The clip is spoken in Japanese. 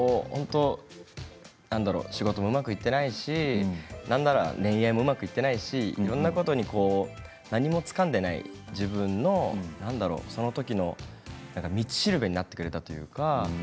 仕事もうまくいっていないしなんなら恋愛もうまくいっていないしいろいろなこと何もつかんでいない自分のそのときの道しるべになってくれたというか。